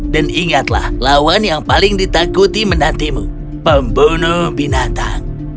dan ingatlah lawan yang paling ditakuti menantimu pembunuh binatang